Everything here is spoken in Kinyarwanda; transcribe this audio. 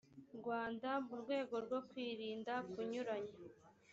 rwanda mu rwego rwo kwirinda kunyuranya